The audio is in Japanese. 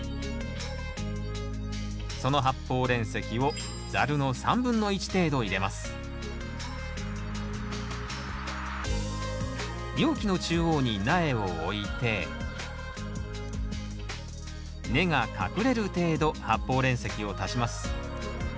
その発泡煉石を容器の中央に苗を置いて根が隠れる程度発泡煉石を足します